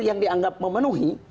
yang dianggap memenuhi